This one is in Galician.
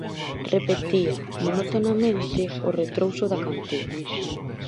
Repetía monotonamente o retrouso da cantiga.